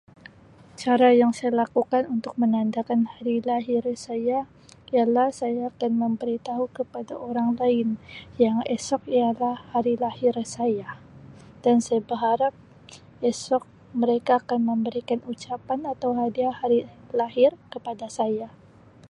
Cara yang saya lakukan untuk menandakan hari lahir saya ialah saya akan memberitahu kepada orang lain yang esok ialah hari lahir saya dan saya berharap esok mereka akan memberikan ucapan atau hadiah hari lahir kepada saya.